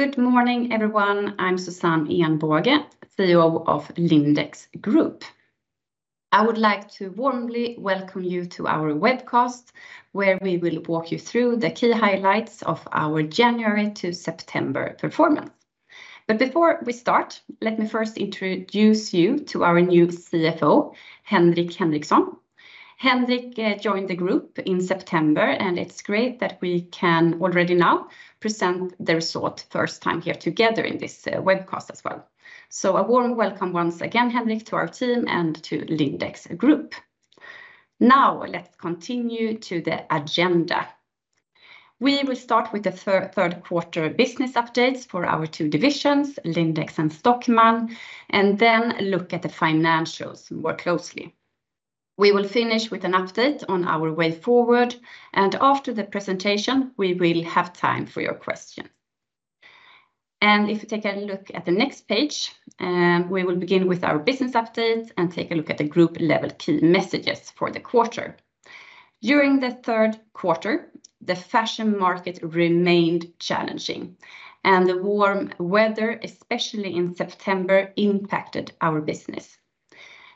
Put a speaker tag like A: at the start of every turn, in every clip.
A: Good morning, everyone. I'm Susanne Ehnbåge, CEO of Lindex Group. I would like to warmly welcome you to our webcast, where we will walk you through the key highlights of our January to September performance. But before we start, let me first introduce you to our new CFO, Henrik Henriksson. Henrik joined the group in September, and it's great that we can already now present the result first time here together in this webcast as well. So a warm welcome once again, Henrik, to our team and to Lindex Group. Now, let's continue to the agenda. We will start with the third quarter business updates for our two divisions, Lindex and Stockmann, and then look at the financials more closely. We will finish with an update on our way forward, and after the presentation, we will have time for your questions. And if you take a look at the next page, we will begin with our business updates and take a look at the group-level key messages for the quarter. During the third quarter, the fashion market remained challenging, and the warm weather, especially in September, impacted our business.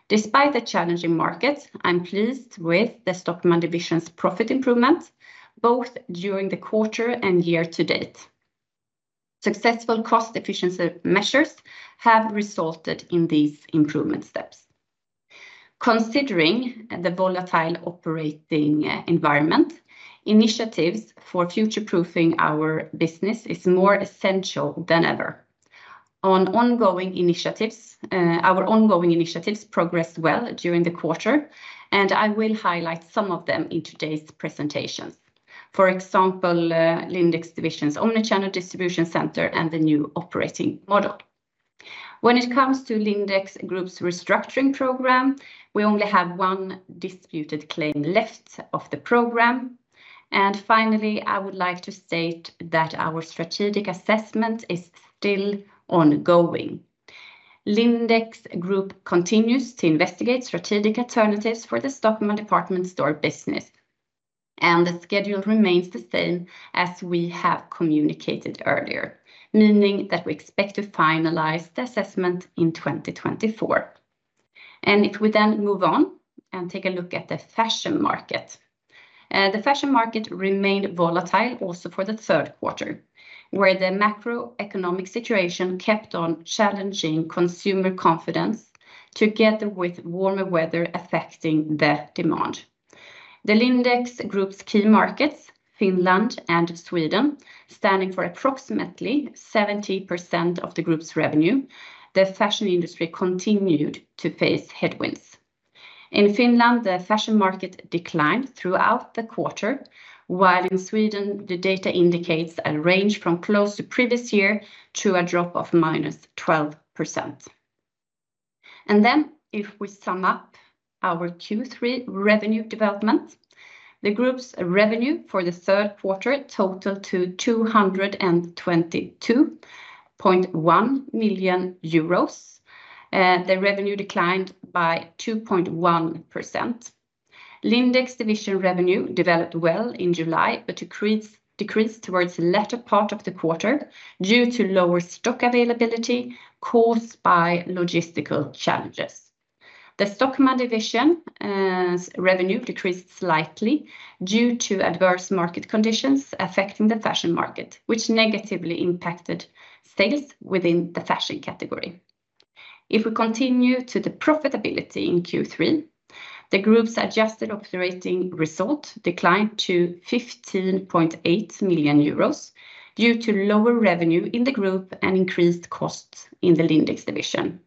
A: Despite the challenging market, I'm pleased with the Stockmann division's profit improvement, both during the quarter and year to date. Successful cost efficiency measures have resulted in these improvement steps. Considering the volatile operating environment, initiatives for future-proofing our business is more essential than ever. On ongoing initiatives, our ongoing initiatives progressed well during the quarter, and I will highlight some of them in today's presentations. For example, Lindex division's omnichannel distribution center and the new operating model. When it comes to Lindex Group's restructuring program, we only have one disputed claim left of the program, and finally, I would like to state that our strategic assessment is still ongoing. Lindex Group continues to investigate strategic alternatives for the Stockmann department store business, and the schedule remains the same as we have communicated earlier, meaning that we expect to finalize the assessment in twenty twenty-four, and if we then move on and take a look at the fashion market. The fashion market remained volatile also for the third quarter, where the macroeconomic situation kept on challenging consumer confidence together with warmer weather affecting the demand. The Lindex Group's key markets, Finland and Sweden, standing for approximately 70% of the group's revenue. The fashion industry continued to face headwinds. In Finland, the fashion market declined throughout the quarter, while in Sweden, the data indicates a range from close to previous year to a drop of -12%. If we sum up our Q3 revenue development, the group's revenue for the third quarter totaled 222.1 million euros. The revenue declined by 2.1%. Lindex division revenue developed well in July, but decreased towards the latter part of the quarter due to lower stock availability caused by logistical challenges. The Stockmann division revenue decreased slightly due to adverse market conditions affecting the fashion market, which negatively impacted sales within the fashion category. If we continue to the profitability in Q3, the group's adjusted operating result declined to 15.8 million euros due to lower revenue in the group and increased costs in the Lindex division.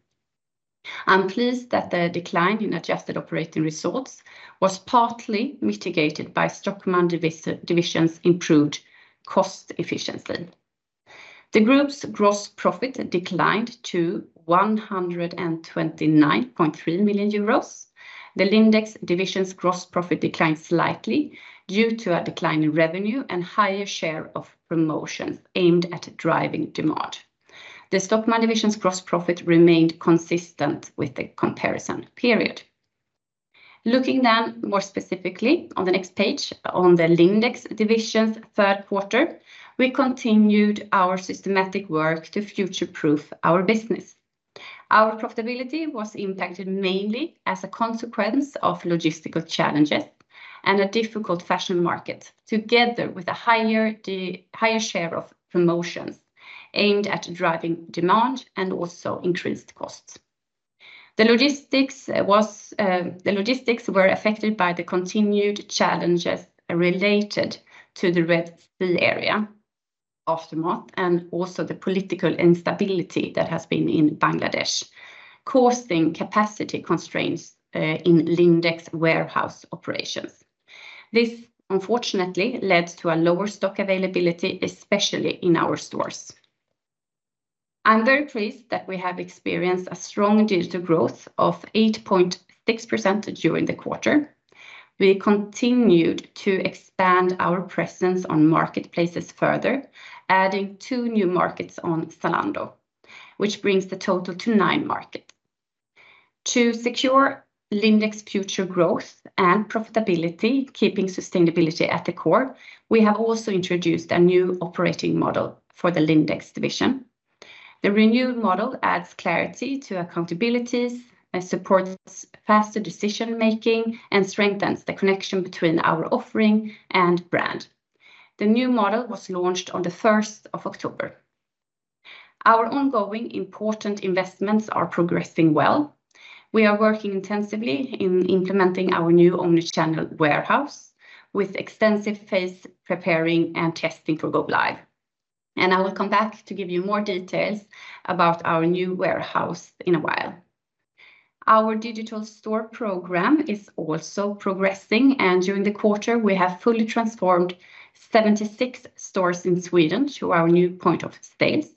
A: I'm pleased that the decline in adjusted operating results was partly mitigated by Stockmann division's improved cost efficiency. The group's gross profit declined to 129.3 million euros. The Lindex division's gross profit declined slightly due to a decline in revenue and higher share of promotions aimed at driving demand. The Stockmann division's gross profit remained consistent with the comparison period. Looking then more specifically on the next page, on the Lindex division's third quarter, we continued our systematic work to future-proof our business. Our profitability was impacted mainly as a consequence of logistical challenges and a difficult fashion market, together with a higher share of promotions aimed at driving demand and also increased costs. The logistics were affected by the continued challenges related to the Red Sea area aftermath and also the political instability that has been in Bangladesh, causing capacity constraints in Lindex warehouse operations. This, unfortunately, led to a lower stock availability, especially in our stores. I'm very pleased that we have experienced a strong digital growth of 8.6% during the quarter. We continued to expand our presence on marketplaces further, adding two new markets on Zalando, which brings the total to nine markets. To secure Lindex future growth and profitability, keeping sustainability at the core, we have also introduced a new operating model for the Lindex division. The renewed model adds clarity to accountabilities and supports faster decision-making and strengthens the connection between our offering and brand. The new model was launched on the first of October. Our ongoing important investments are progressing well. We are working intensively in implementing our new omnichannel warehouse, with extensive phase preparing and testing for go live, and I will come back to give you more details about our new warehouse in a while. Our digital store program is also progressing, and during the quarter, we have fully transformed 76 stores in Sweden to our new point of sales,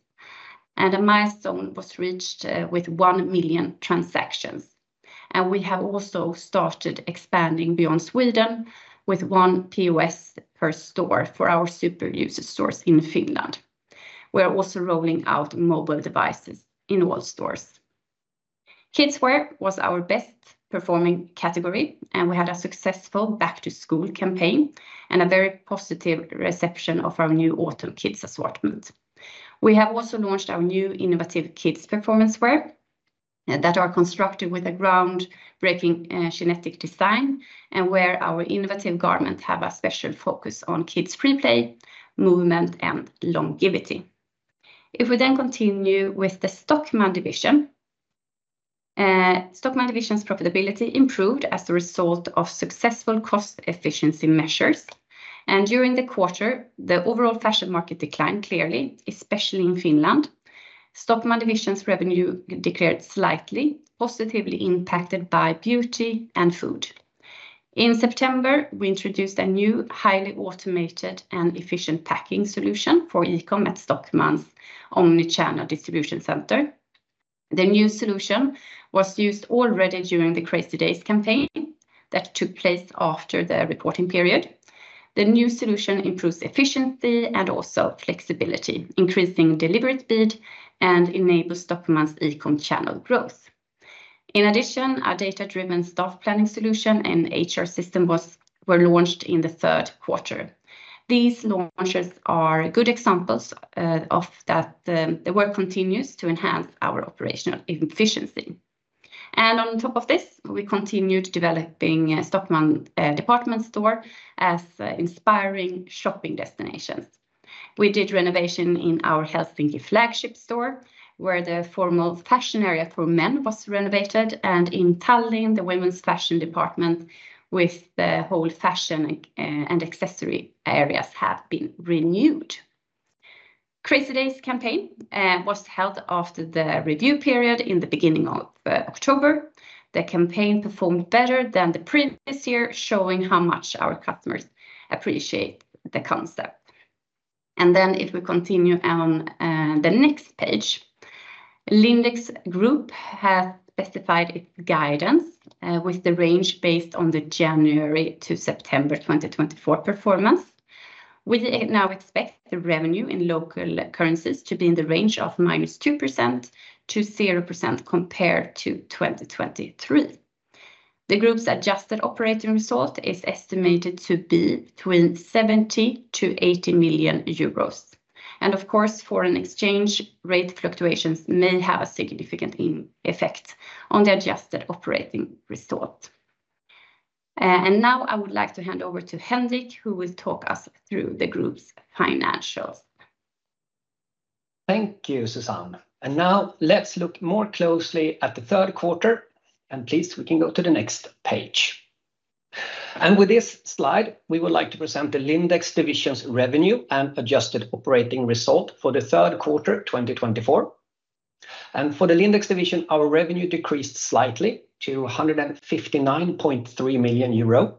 A: and a milestone was reached, with one million transactions, and we have also started expanding beyond Sweden with one POS per store for our super user stores in Finland. We are also rolling out mobile devices in all stores. Kids' wear was our best performing category, and we had a successful back-to-school campaign and a very positive reception of our new autumn kids assortment. We have also launched our new innovative Kids performance wear, that are constructed with a groundbreaking, kinetic design and where our innovative garments have a special focus on kids' free play, movement, and longevity. If we then continue with the Stockmann division, Stockmann division's profitability improved as a result of successful cost efficiency measures, and during the quarter, the overall fashion market declined clearly, especially in Finland. Stockmann division's revenue declined slightly, positively impacted by beauty and food. In September, we introduced a new, highly automated and efficient packing solution for e-com at Stockmann's omnichannel distribution center. The new solution was used already during the Crazy Days campaign that took place after the reporting period. The new solution improves efficiency and also flexibility, increasing delivery speed and enables Stockmann's e-com channel growth. In addition, our data-driven staff planning solution and HR system was launched in the third quarter. These launches are good examples of the work continues to enhance our operational efficiency. On top of this, we continued developing Stockmann department store as inspiring shopping destinations. We did renovation in our Helsinki flagship store, where the formal fashion area for men was renovated, and in Tallinn, the women's fashion department with the whole fashion and accessory areas have been renewed. Crazy Days campaign was held after the review period in the beginning of October. The campaign performed better than the previous year, showing how much our customers appreciate the concept. Then if we continue on the next page, Lindex Group has specified its guidance with the range based on the January to September twenty twenty-four performance. We now expect the revenue in local currencies to be in the range of -2% to 0% compared to 2023. The group's adjusted operating result is estimated to be between 70-80 million euros. And of course, foreign exchange rate fluctuations may have a significant effect on the adjusted operating result. And now I would like to hand over to Henrik, who will talk us through the group's financials.
B: Thank you, Susanne. And now let's look more closely at the third quarter, and please, we can go to the next page. And with this slide, we would like to present the Lindex division's revenue and adjusted operating result for the third quarter, 2024. And for the Lindex division, our revenue decreased slightly to 159.3 million euro.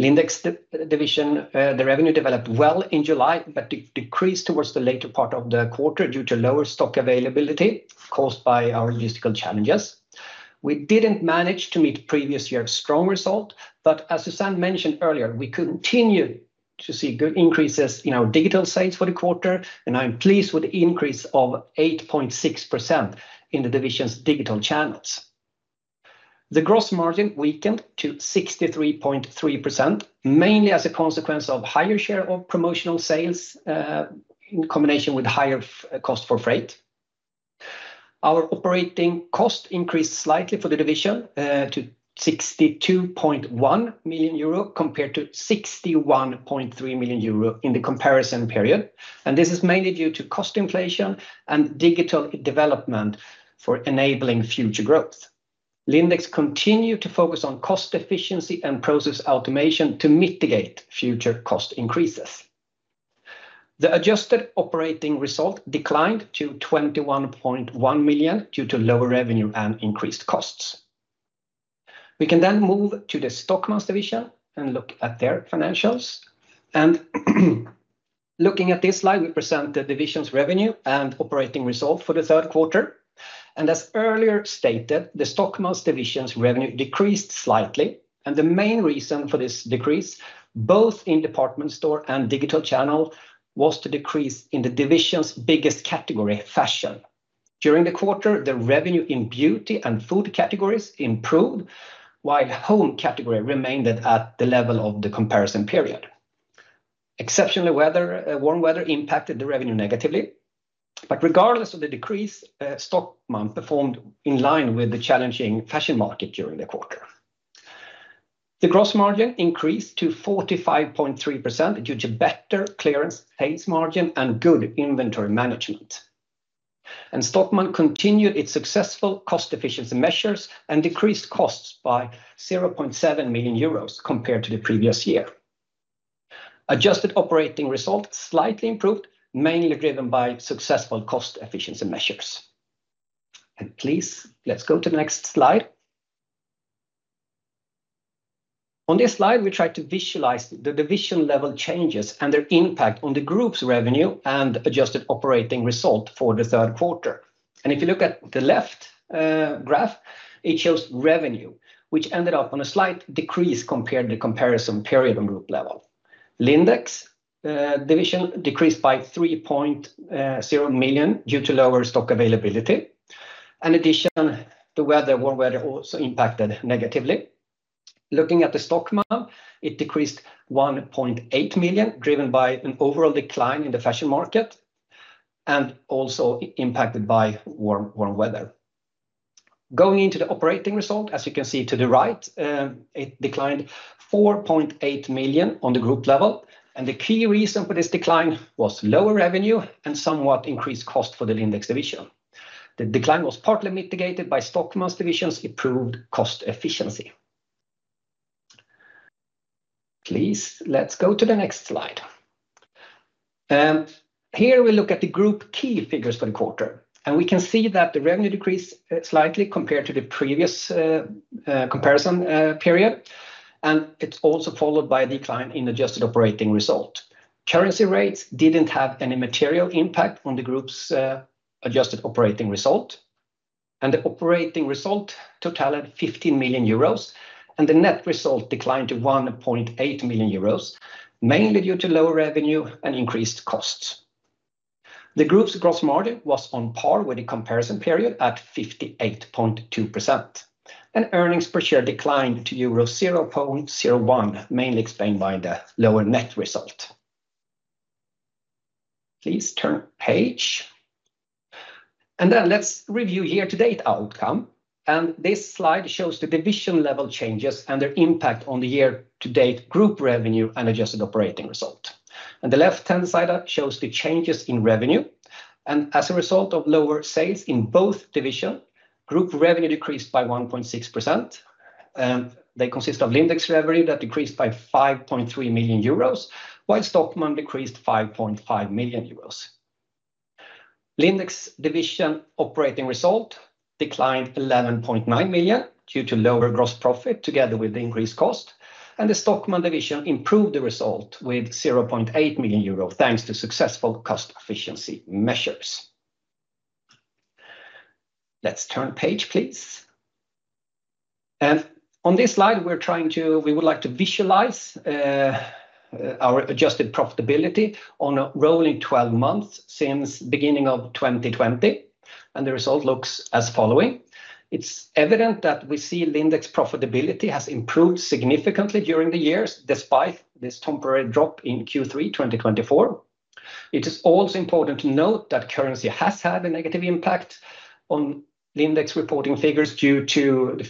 B: Lindex division, the revenue developed well in July, but decreased towards the later part of the quarter due to lower stock availability caused by our logistical challenges. We didn't manage to meet previous year's strong result, but as Susanne mentioned earlier, we continue to see good increases in our digital sales for the quarter, and I'm pleased with the increase of 8.6% in the division's digital channels. The gross margin weakened to 63.3%, mainly as a consequence of higher share of promotional sales, in combination with higher freight cost. Our operating cost increased slightly for the division, to 62.1 million euro, compared to 61.3 million euro in the comparison period, and this is mainly due to cost inflation and digital development for enabling future growth. Lindex continue to focus on cost efficiency and process automation to mitigate future cost increases. The adjusted operating result declined to 21.1 million due to lower revenue and increased costs. We can then move to the Stockmann's division and look at their financials. Looking at this slide, we present the division's revenue and operating result for the third quarter. As earlier stated, the Stockmann's division's revenue decreased slightly, and the main reason for this decrease, both in department store and digital channel, was the decrease in the division's biggest category, fashion. During the quarter, the revenue in beauty and food categories improved, while home category remained at the level of the comparison period. Exceptional weather, warm weather impacted the revenue negatively, but regardless of the decrease, Stockmann performed in line with the challenging fashion market during the quarter. The gross margin increased to 45.3% due to better clearance sales margin and good inventory management. Stockmann continued its successful cost efficiency measures and decreased costs by 0.7 million euros compared to the previous year. Adjusted operating results slightly improved, mainly driven by successful cost efficiency measures. Please, let's go to the next slide. On this slide, we try to visualize the division level changes and their impact on the group's revenue and adjusted operating result for the third quarter, and if you look at the left graph, it shows revenue, which ended up on a slight decrease compared to the comparison period on group level. Lindex division decreased by 3.0 million due to lower stock availability. In addition, the weather, warm weather also impacted negatively. Looking at the Stockmann, it decreased 1.8 million, driven by an overall decline in the fashion market and also impacted by warm weather. Going into the operating result, as you can see to the right, it declined 4.8 million on the group level, and the key reason for this decline was lower revenue and somewhat increased cost for the Lindex division. The decline was partly mitigated by Stockmann's divisions improved cost efficiency. Please, let's go to the next slide. Here we look at the group key figures for the quarter, and we can see that the revenue decreased slightly compared to the previous comparison period, and it's also followed by a decline in adjusted operating result. Currency rates didn't have any material impact on the group's adjusted operating result, and the operating result totaled 15 million euros, and the net result declined to 1.8 million euros, mainly due to lower revenue and increased costs. The group's gross margin was on par with the comparison period at 58.2%, and earnings per share declined to euro 0.01, mainly explained by the lower net result. Please turn page. And then let's review year-to-date outcome, and this slide shows the division level changes and their impact on the year-to-date group revenue and adjusted operating result. On the left-hand side, shows the changes in revenue, and as a result of lower sales in both division, group revenue decreased by 1.6%. They consist of Lindex revenue that decreased by 5.3 million euros, while Stockmann decreased 5.5 million euros. Lindex division operating result declined 11.9 million due to lower gross profit, together with increased cost, and the Stockmann division improved the result with 0.8 million euro, thanks to successful cost efficiency measures. Let's turn page, please. On this slide, we would like to visualize our adjusted profitability on a rolling twelve months since beginning of 2020, and the result looks as following: It's evident that we see Lindex profitability has improved significantly during the years, despite this temporary drop in Q3 2024. It is also important to note that currency has had a negative impact on Lindex reporting figures due to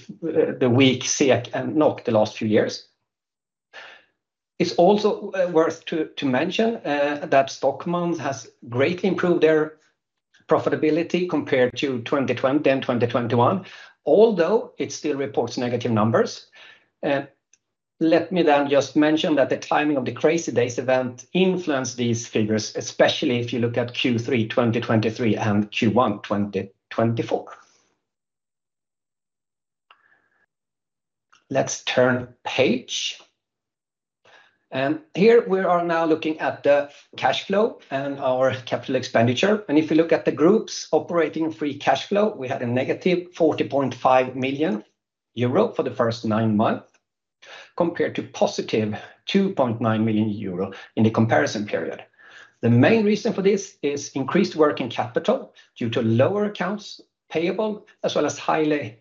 B: the weak SEK and NOK the last few years. It's also worth to mention that Stockmann has greatly improved their profitability compared to 2020 and 2021, although it still reports negative numbers. Let me then just mention that the timing of the Crazy Days event influenced these figures, especially if you look at Q3 2023 and Q1 2024. Let's turn page. Here we are now looking at the cash flow and our capital expenditure. If you look at the group's operating free cash flow, we had a -40.5 million euro for the first nine months, compared to +2.9 million euro in the comparison period. The main reason for this is increased working capital due to lower accounts payable, as well as higher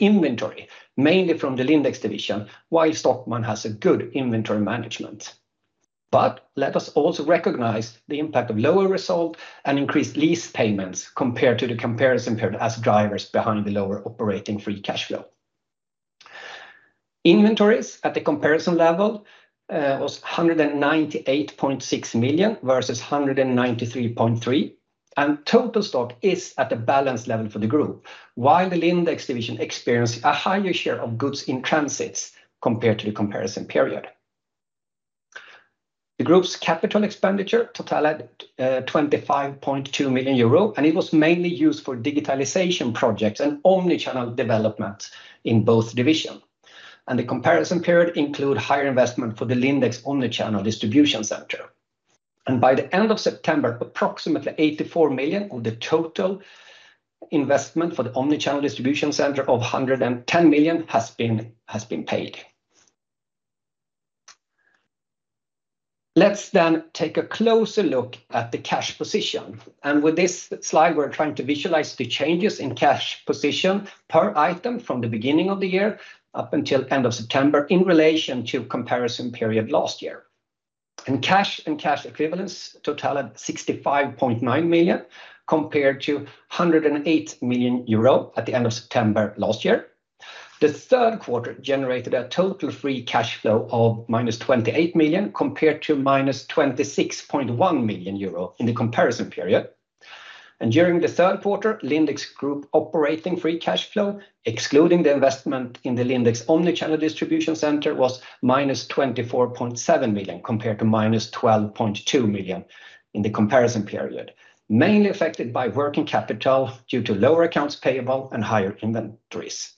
B: inventory, mainly from the Lindex division, while Stockmann has a good inventory management. Let us also recognize the impact of lower result and increased lease payments compared to the comparison period as drivers behind the lower operating free cash flow. Inventories at the comparison level was 198.6 million versus 193.3 million, and total stock is at a balanced level for the group, while the Lindex division experienced a higher share of goods in transits compared to the comparison period. The group's capital expenditure totaled 25.2 million euro, and it was mainly used for digitalization projects and omni-channel developments in both division. The comparison period include higher investment for the Lindex omni-channel distribution center. By the end of September, approximately 84 million of the total investment for the omnichannel distribution center of 110 million has been paid. Let's then take a closer look at the cash position, and with this slide, we're trying to visualize the changes in cash position per item from the beginning of the year up until end of September in relation to comparison period last year. Cash and cash equivalents totaled 65.9 million, compared to 108 million euro at the end of September last year. The third quarter generated a total free cash flow of -28 million, compared to -26.1 million euro in the comparison period. During the third quarter, Lindex Group operating free cash flow, excluding the investment in the Lindex omnichannel distribution center, was -24.7 million, compared to -12.2 million in the comparison period, mainly affected by working capital due to lower accounts payable and higher inventories.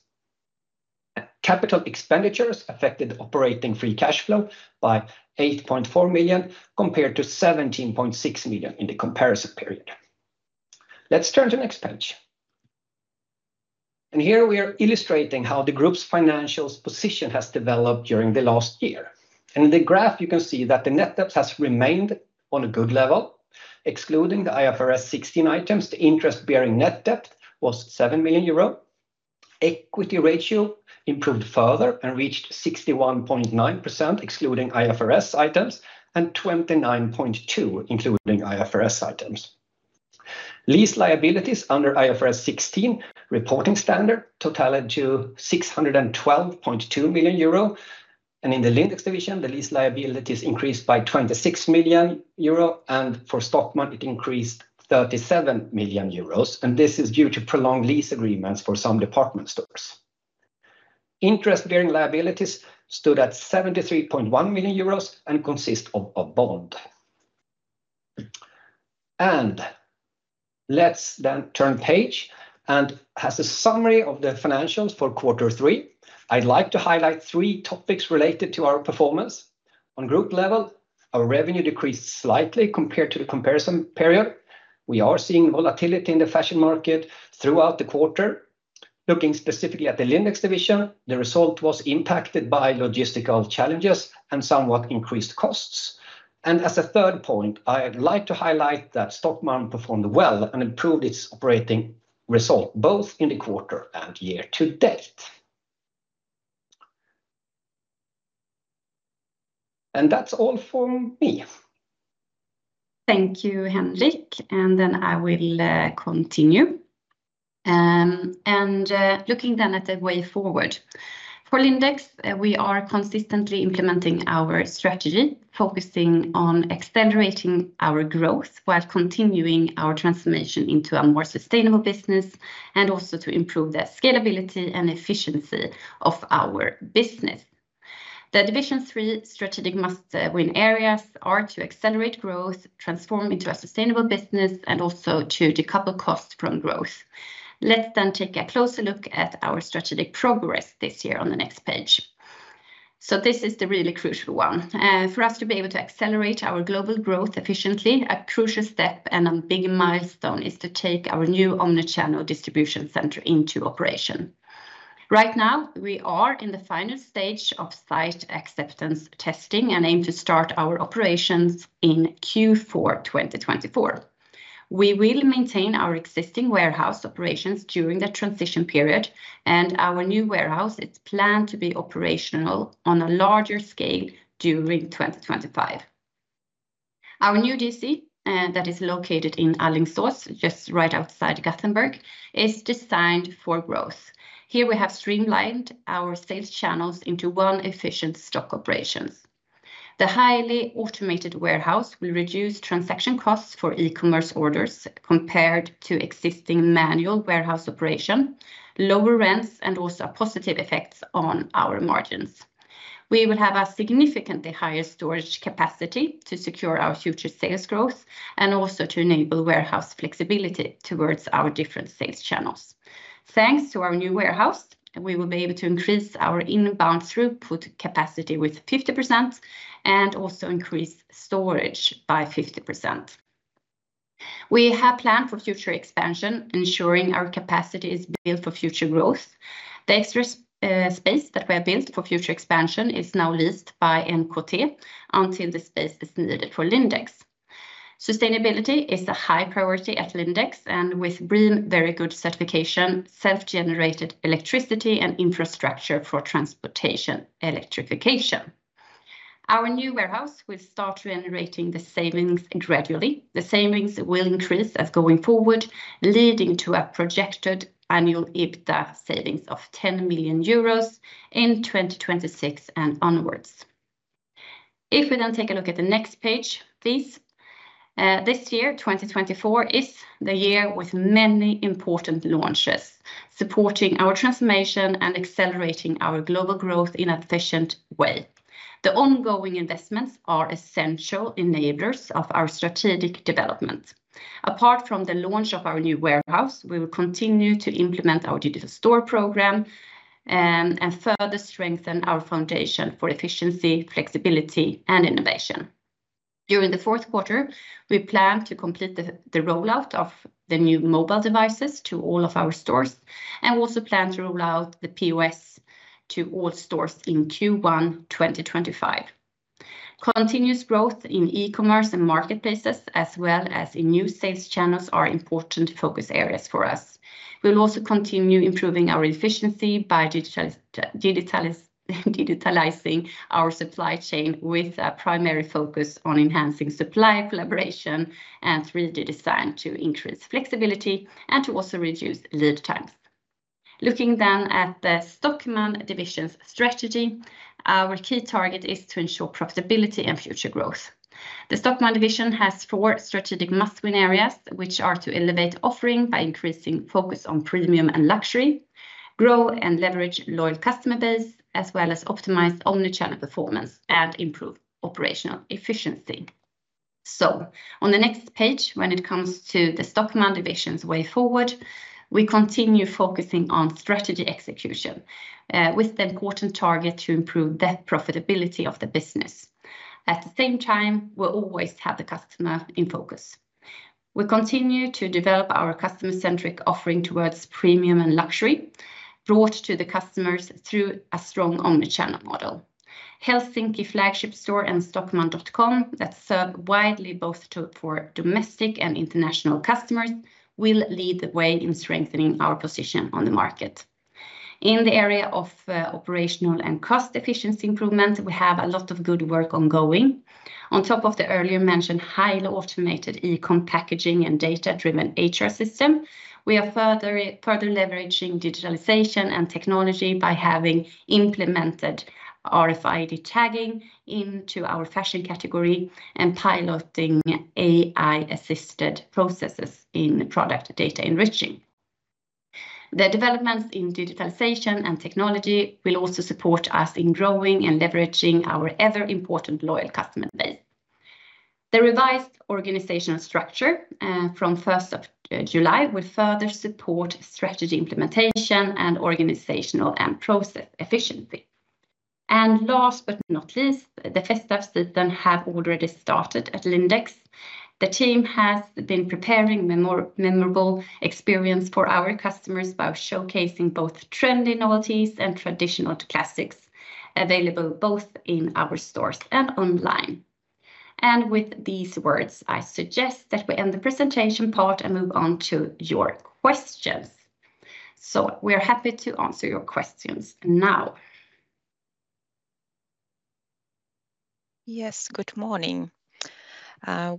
B: Capital expenditures affected operating free cash flow by 8.4 million, compared to 17.6 million in the comparison period. Let's turn to next page. Here we are illustrating how the group's financial position has developed during the last year. In the graph, you can see that the net debt has remained on a good level. Excluding the IFRS 16 items, the interest-bearing net debt was 7 million euro. Equity ratio improved further and reached 61.9%, excluding IFRS items, and 29.2%, including IFRS items. Lease liabilities under IFRS 16 reporting standard totaled 612.2 million euro, and in the Lindex division, the lease liabilities increased by 26 million euro, and for Stockmann, it increased 37 million euros, and this is due to prolonged lease agreements for some department stores. Interest-bearing liabilities stood at 73.1 million euros and consist of a bond. And let's then turn page, and as a summary of the financials for quarter three, I'd like to highlight three topics related to our performance. On group level, our revenue decreased slightly compared to the comparison period. We are seeing volatility in the fashion market throughout the quarter. Looking specifically at the Lindex division, the result was impacted by logistical challenges and somewhat increased costs. As a third point, I'd like to highlight that Stockmann performed well and improved its operating result, both in the quarter and year-to-date. That's all from me.
A: Thank you, Henrik, and then I will continue. Looking then at the way forward. For Lindex, we are consistently implementing our strategy, focusing on accelerating our growth while continuing our transformation into a more sustainable business, and also to improve the scalability and efficiency of our business. The division's three strategic must-win areas are to accelerate growth, transform into a sustainable business, and also to decouple costs from growth. Let's then take a closer look at our strategic progress this year on the next page. This is the really crucial one. For us to be able to accelerate our global growth efficiently, a crucial step and a big milestone is to take our new omnichannel distribution center into operation. Right now, we are in the final stage of site acceptance testing and aim to start our operations in Q4 2024. We will maintain our existing warehouse operations during the transition period, and our new warehouse is planned to be operational on a larger scale during 2025. Our new DC, that is located in Alingsås, just right outside Gothenburg, is designed for growth. Here we have streamlined our sales channels into one efficient stock operations. The highly automated warehouse will reduce transaction costs for e-commerce orders compared to existing manual warehouse operation, lower rents, and also positive effects on our margins. We will have a significantly higher storage capacity to secure our future sales growth and also to enable warehouse flexibility towards our different sales channels. Thanks to our new warehouse, we will be able to increase our inbound throughput capacity with 50% and also increase storage by 50%. We have planned for future expansion, ensuring our capacity is built for future growth. The extra space that we have built for future expansion is now leased by NKT until the space is needed for Lindex. Sustainability is a high priority at Lindex, and with BREEAM Very Good certification, self-generated electricity, and infrastructure for transportation electrification. Our new warehouse will start generating the savings gradually. The savings will increase as going forward, leading to a projected annual EBITDA savings of 10 million euros in 2026 and onwards. If we then take a look at the next page, please. This year, 2024, is the year with many important launches, supporting our transformation and accelerating our global growth in an efficient way. The ongoing investments are essential enablers of our strategic development. Apart from the launch of our new warehouse, we will continue to implement our digital store program, and further strengthen our foundation for efficiency, flexibility, and innovation. During the fourth quarter, we plan to complete the rollout of the new mobile devices to all of our stores and also plan to roll out the POS to all stores in Q1 2025. Continuous growth in e-commerce and marketplaces, as well as in new sales channels, are important focus areas for us. We'll also continue improving our efficiency by digitalizing our supply chain with a primary focus on enhancing supplier collaboration and 3D design to increase flexibility and to also reduce lead times. Looking then at the Stockmann division's strategy, our key target is to ensure profitability and future growth. The Stockmann division has four strategic must-win areas, which are to elevate offering by increasing focus on premium and luxury, grow and leverage loyal customer base, as well as optimize omnichannel performance and improve operational efficiency. So on the next page, when it comes to the Stockmann division's way forward, we continue focusing on strategy execution with the important target to improve the profitability of the business. At the same time, we'll always have the customer in focus. We continue to develop our customer-centric offering towards premium and luxury, brought to the customers through a strong omnichannel model. Helsinki flagship store and stockmann.com that serve widely both for domestic and international customers will lead the way in strengthening our position on the market. In the area of operational and cost efficiency improvements, we have a lot of good work ongoing. On top of the earlier mentioned highly automated e-com packaging and data-driven HR system, we are further leveraging digitalization and technology by having implemented RFID tagging into our fashion category and piloting AI-assisted processes in product data enriching. The developments in digitalization and technology will also support us in growing and leveraging our ever-important loyal customer base. The revised organizational structure from first of July will further support strategy implementation and organizational and process efficiency, and last but not least, the first steps then have already started at Lindex. The team has been preparing memorable experience for our customers by showcasing both trendy novelties and traditional classics, available both in our stores and online, and with these words, I suggest that we end the presentation part and move on to your questions, so we are happy to answer your questions now.
C: Yes, good morning.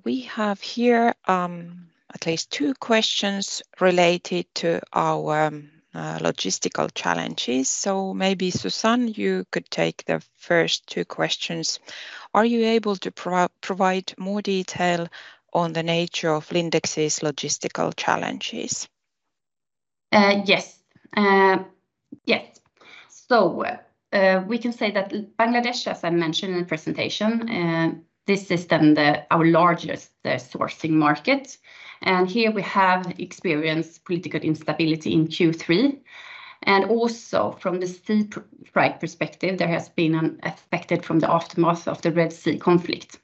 C: We have here at least two questions related to our logistical challenges. So maybe, Susanne, you could take the first two questions. Are you able to provide more detail on the nature of Lindex's logistical challenges?
A: Yes. Yes. So we can say that Bangladesh, as I mentioned in the presentation, this is then our largest sourcing market, and here we have experienced political instability in Q3. Also, from the sea freight perspective, there has been unexpected from the aftermath of the Red Sea conflict.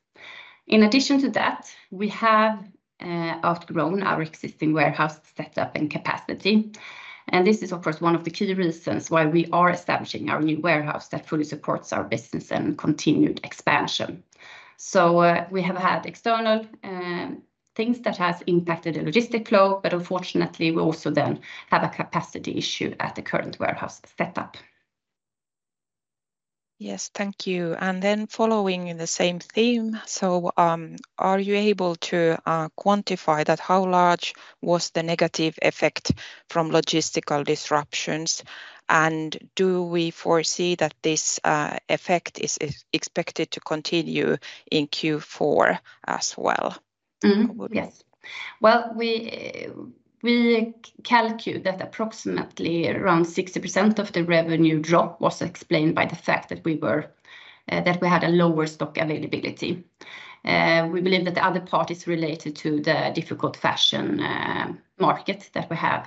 A: In addition to that, we have outgrown our existing warehouse setup and capacity, and this is, of course, one of the key reasons why we are establishing our new warehouse that fully supports our business and continued expansion. We have had external things that has impacted the logistics flow, but unfortunately, we also then have a capacity issue at the current warehouse setup.
C: Yes, thank you. And then following in the same theme, so, are you able to quantify that how large was the negative effect from logistical disruptions? And do we foresee that this effect is expected to continue in Q4 as well?
A: Mm-hmm. Yes. Well, we calculate that approximately around 60% of the revenue drop was explained by the fact that we had a lower stock availability. We believe that the other part is related to the difficult fashion market that we have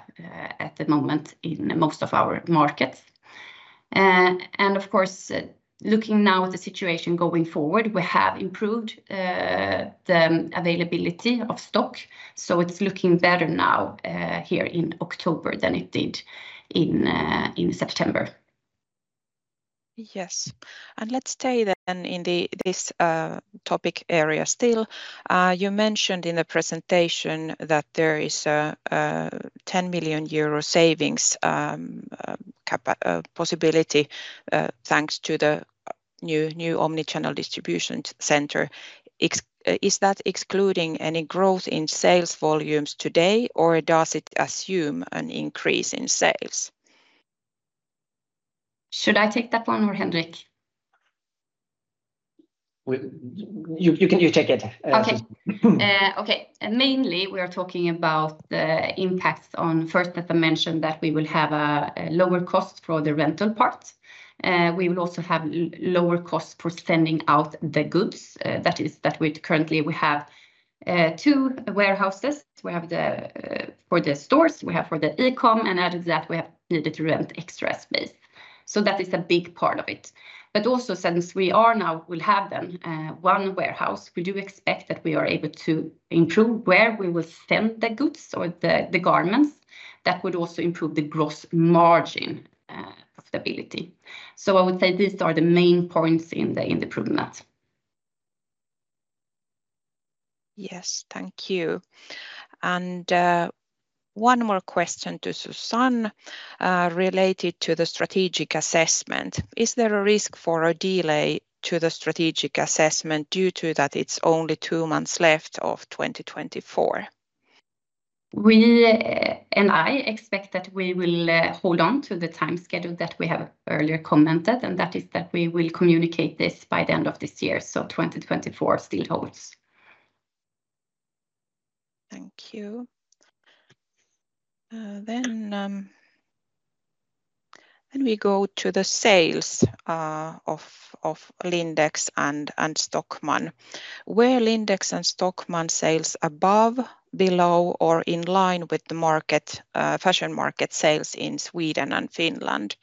A: at the moment in most of our markets. And of course, looking now at the situation going forward, we have improved the availability of stock, so it's looking better now here in October than it did in September.
C: Yes, and let's stay then in this topic area still. You mentioned in the presentation that there is a 10 million euro savings cap possibility thanks to the new omnichannel distribution center. Is that excluding any growth in sales volumes today, or does it assume an increase in sales?
A: Should I take that one, or Henrik?
B: You can take it.
A: Okay.
B: Uh, hmm.
A: Okay, mainly we are talking about the impacts on first that I mentioned, that we will have a lower cost for the rental parts. We will also have lower costs for sending out the goods. That is, that we currently have two warehouses. We have the for the stores, we have for the e-com, and added to that, we have needed to rent extra space. So that is a big part of it. But also, since we are now we'll have then one warehouse, we do expect that we are able to improve where we will send the goods or the garments. That would also improve the gross margin stability. So I would say these are the main points in the P&L net.
C: Yes, thank you. And, one more question to Susanne, related to the strategic assessment. Is there a risk for a delay to the strategic assessment due to that it's only two months left of 2024?
A: We, and I, expect that we will hold on to the time schedule that we have earlier commented, and that is that we will communicate this by the end of this year, so 2024 still holds.
C: Thank you. Then we go to the sales of Lindex and Stockmann. Were Lindex and Stockmann sales above, below, or in line with the fashion market sales in Sweden and Finland?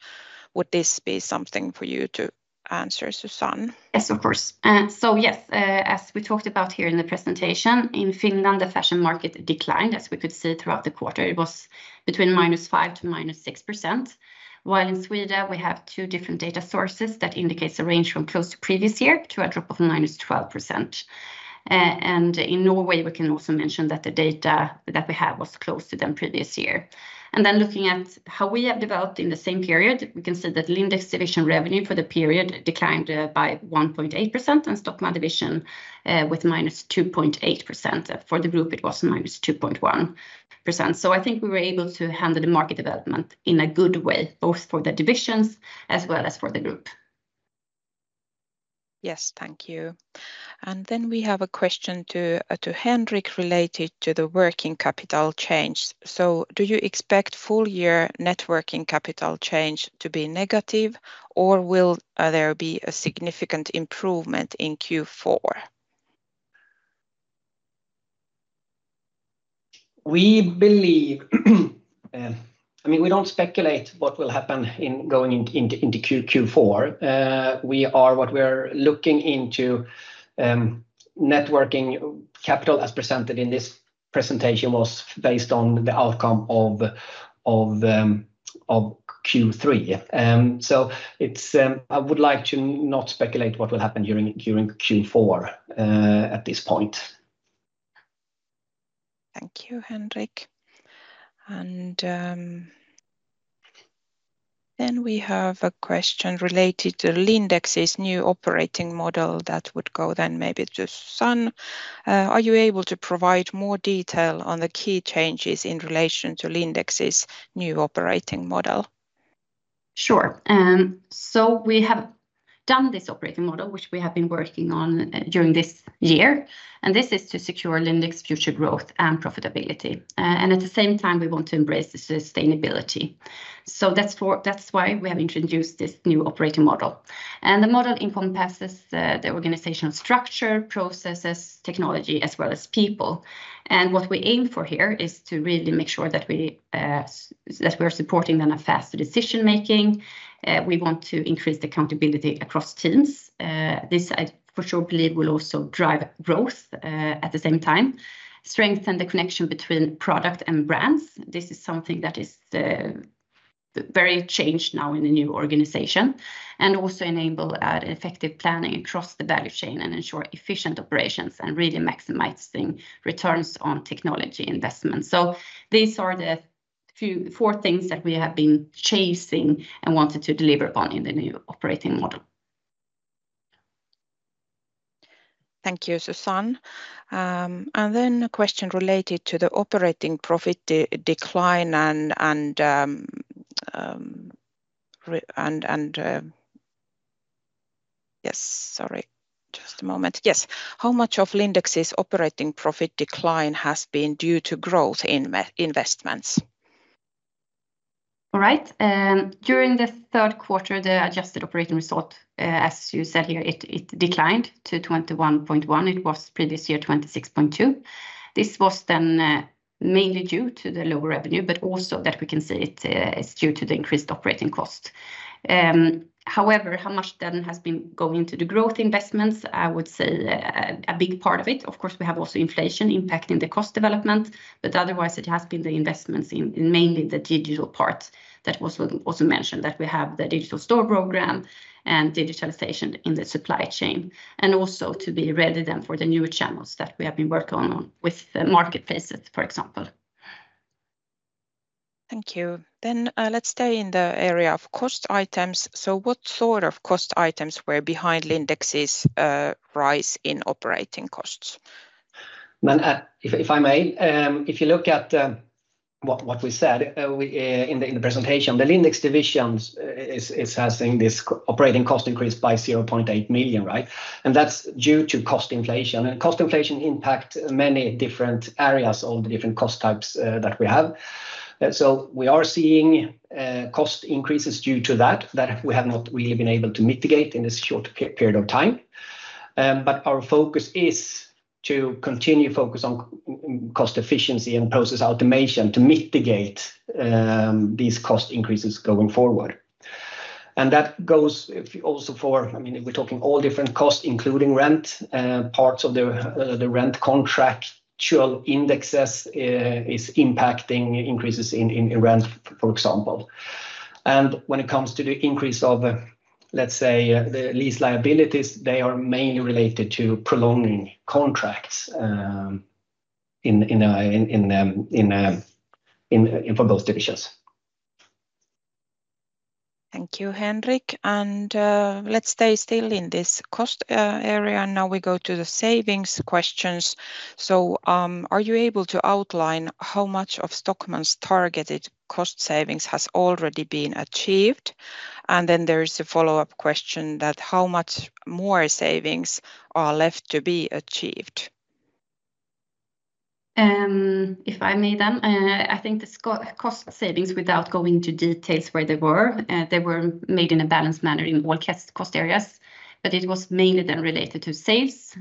C: Would this be something for you to answer, Susanne?
A: Yes, of course. So yes, as we talked about here in the presentation, in Finland, the fashion market declined, as we could see throughout the quarter. It was between -5% to -6%, while in Sweden we have two different data sources that indicates a range from close to previous year to a drop of -12%. And in Norway, we can also mention that the data that we have was closer than previous year. And then looking at how we have developed in the same period, we can see that Lindex division revenue for the period declined by 1.8%, and Stockmann division with -2.8%. For the group, it was -2.1%. So I think we were able to handle the market development in a good way, both for the divisions as well as for the group.
C: Yes, thank you. And then we have a question to Henrik related to the working capital change. So do you expect full year net working capital change to be negative, or will there be a significant improvement in Q4?
B: We believe, I mean, we don't speculate what will happen in going into Q4. What we are looking into, net working capital as presented in this presentation was based on the outcome of Q3. So it's, I would like to not speculate what will happen during Q4 at this point.
C: Thank you, Henrik. And, then we have a question related to Lindex's new operating model that would go then maybe to Susanne. Are you able to provide more detail on the key changes in relation to Lindex's new operating model?
A: Sure. So we have done this operating model, which we have been working on during this year, and this is to secure Lindex's future growth and profitability. And at the same time, we want to embrace the sustainability. So that's why we have introduced this new operating model. And the model encompasses the organizational structure, processes, technology, as well as people. And what we aim for here is to really make sure that we, that we're supporting then a faster decision making. We want to increase the accountability across teams. This, I for sure believe will also drive growth, at the same time, strengthen the connection between product and brands. This is something that is very changed now in the new organization, and also enable effective planning across the value chain and ensure efficient operations, and really maximizing returns on technology investments. So these are the four things that we have been chasing and wanted to deliver upon in the new operating model.
C: Thank you, Susanne. And then a question related to the operating profit decline. Yes, sorry, just a moment. Yes. How much of Lindex's operating profit decline has been due to growth in investments?
A: All right. During the third quarter, the adjusted operating result, as you said here, it declined to 21.1. It was previous year, 26.2. This was then mainly due to the lower revenue, but also that we can see it is due to the increased operating cost. However, how much then has been going to the growth investments? I would say a big part of it. Of course, we have also inflation impacting the cost development, but otherwise, it has been the investments in mainly the digital part that was also mentioned, that we have the digital store program and digitalization in the supply chain, and also to be ready then for the new channels that we have been working on with the marketplaces, for example.
C: Thank you. Then, let's stay in the area of cost items. So what sort of cost items were behind Lindex's rise in operating costs?
B: If I may, if you look at what we said in the presentation, the Lindex divisions is having this operating cost increase by 0.8 million, right? And that's due to cost inflation, and cost inflation impact many different areas of the different cost types that we have. So we are seeing cost increases due to that that we have not really been able to mitigate in this short period of time. But our focus is to continue focus on cost efficiency and process automation to mitigate these cost increases going forward. And that goes if also for, I mean, if we're talking all different costs, including rent, parts of the rent contractual indexes is impacting increases in rent, for example. When it comes to the increase of, let's say, the lease liabilities, they are mainly related to prolonging contracts for those divisions.
C: Thank you, Henrik. And, let's stay still in this cost area. Now we go to the savings questions. So, are you able to outline how much of Stockmann's targeted cost savings has already been achieved? And then there is a follow-up question that how much more savings are left to be achieved?
A: If I may, then, I think the cost savings, without going into details where they were, they were made in a balanced manner in all cost areas, but it was mainly then related to sales,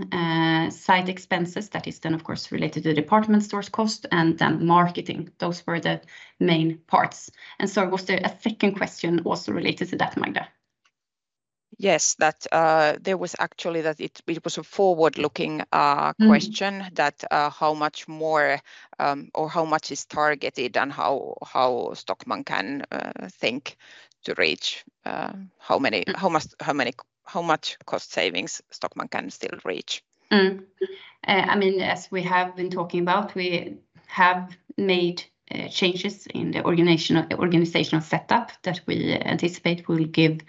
A: site expenses, that is then of course, related to department stores cost and then marketing. Those were the main parts. So was there a second question also related to that, Magda?
C: Yes, that there was actually that it was a forward-looking question, that, how much more, or how much is targeted and how Stockmann can think to reach how many how much, how many, how much cost savings Stockmann can still reach?
A: I mean, as we have been talking about, we have made changes in the organizational setup that we anticipate will give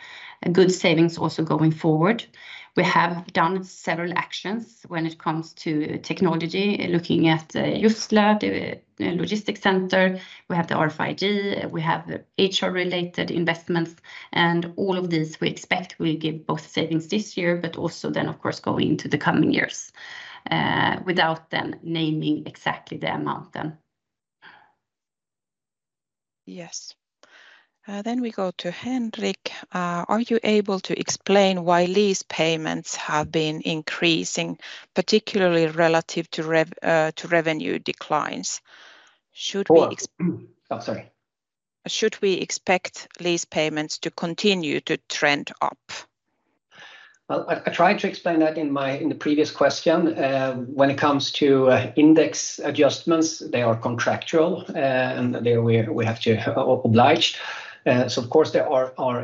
A: good savings also going forward. We have done several actions when it comes to technology, looking at the Jussla logistics center. We have the RFID, we have the HR-related investments, and all of these we expect will give both savings this year, but also then, of course, going into the coming years without then naming exactly the amount then.
C: Yes. Then we go to Henrik. Are you able to explain why lease payments have been increasing, particularly relative to rev, to revenue declines? Should we ex-
B: Oh, sorry.
C: Should we expect lease payments to continue to trend up?
B: I tried to explain that in the previous question. When it comes to index adjustments, they are contractual, and we have to oblige, so of course, there are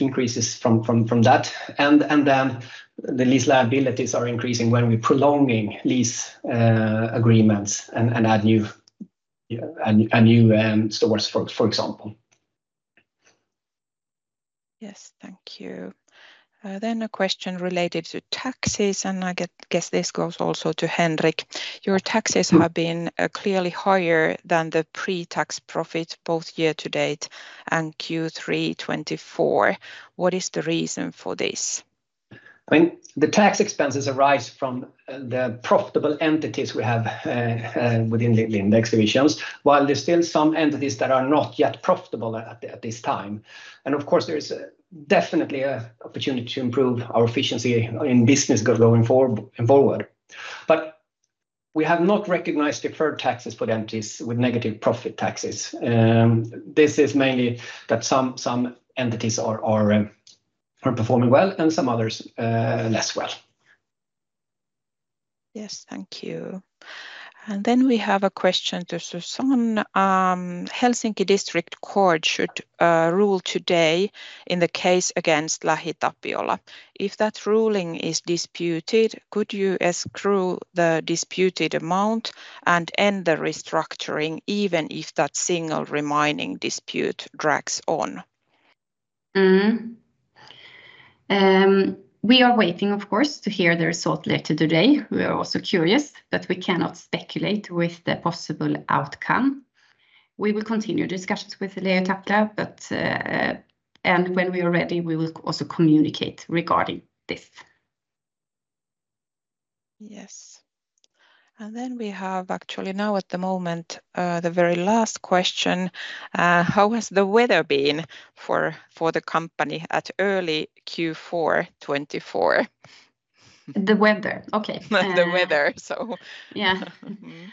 B: increases from that, and then the lease liabilities are increasing when we're prolonging lease agreements and add new stores, for example.
C: Yes, thank you. Then a question related to taxes, and I guess this goes also to Henrik. Your taxes have been clearly higher than the pre-tax profit, both year to date and Q3 2024. What is the reason for this?
B: I mean, the tax expenses arise from the profitable entities we have within the Lindex divisions, while there's still some entities that are not yet profitable at this time. And of course, there is definitely a opportunity to improve our efficiency in business going forward. But we have not recognized deferred taxes for the entities with negative profit taxes. This is mainly that some entities are performing well and some others less well.
C: Yes, thank you. And then we have a question to Susanne. Helsinki District Court should rule today in the case against LähiTapiola. If that ruling is disputed, could you escrow the disputed amount and end the restructuring, even if that single remaining dispute drags on?
A: Mm-hmm. We are waiting, of course, to hear the result later today. We are also curious, but we cannot speculate with the possible outcome. We will continue discussions with LähiTapiola, but, and when we are ready, we will also communicate regarding this.
C: Yes. And then we have actually now, at the moment, the very last question: How has the weather been for the company at early Q4 2024?
A: The weather? Okay.
C: The weather, so.
A: Yeah.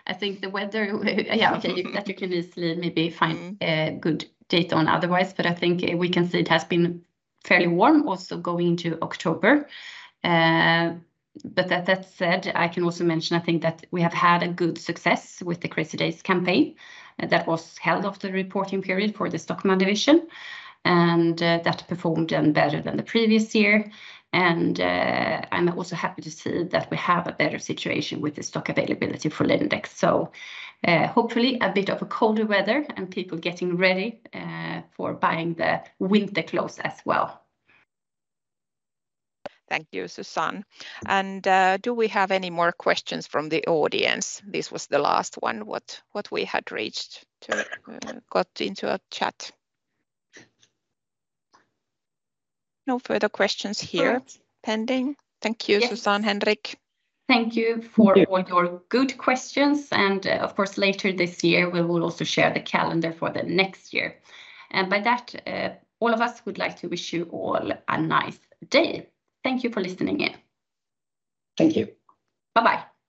A: I think the weather that you can easily maybe find a good data on otherwise, but I think we can say it has been fairly warm also going into October. But that said, I can also mention, I think, that we have had a good success with the Crazy Days campaign that was held after the reporting period for the Stockmann division, and that performed better than the previous year. And I'm also happy to see that we have a better situation with the stock availability for Lindex. So hopefully a bit of a colder weather and people getting ready for buying the winter clothes as well.
C: Thank you, Susanne. And, do we have any more questions from the audience? This was the last one, what we had got into our chat. No further questions here.
A: All right...
C: pending. Thank you-
A: Yes...
C: Susanne, Henrik.
A: Thank you for all your good questions. And of course, later this year, we will also share the calendar for the next year. And by that, all of us would like to wish you all a nice day. Thank you for listening in.
B: Thank you.
A: Bye-bye.